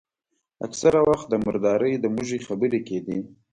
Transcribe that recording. اکثره وخت د مردارۍ د موږي خبرې کېدې.